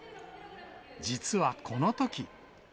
実はこのとき。